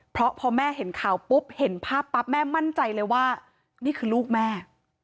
เพราะพอแม่เห็นข่าวปุ๊บเห็นภาพปั๊บแม่มั่นใจเลยว่านี่คือลูกแม่